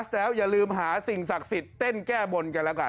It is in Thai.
แล้วอย่าลืมหาสิ่งศักดิ์สิทธิ์เต้นแก้บนกันแล้วกัน